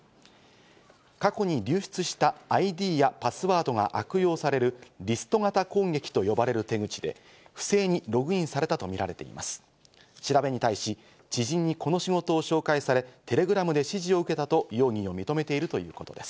過去に流出したＩＤやパスワードが悪用される、リスト型攻撃と呼ばれる手口で不正にログインされたとみられています。